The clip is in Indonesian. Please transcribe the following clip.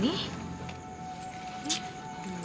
bisa nunggu di selatan itu